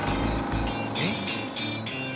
えっ？